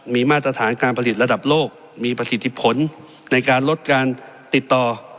มีมาตรฐานการผลิตระดับโลกมีประสิทธิผลในการลดการติดต่อ